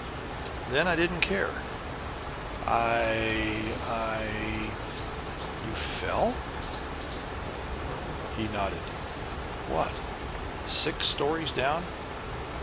Then I didn't care. I I " "You fell?" He nodded. "What, six stories down?"